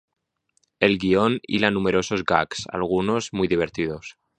El guion hila numerosos gags, algunos muy divertidos.